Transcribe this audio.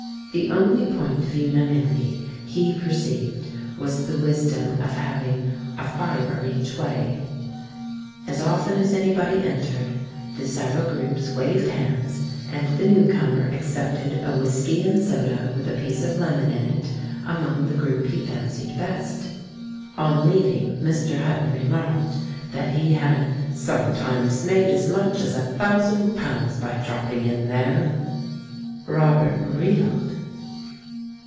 The only point of unanimity he perceived was the wisdom of having "a fiver each way." As often as anybody entered, the several groups waved hands, and the newcomer accepted a whisky and soda with a piece of lemon in it, among the group he fancied best. On leaving, THE LADY OF LYONS' 317 Mr. Hutton remarked that he had "sometimes made as much as a thousand pounds by dropping in there." Robert reeled.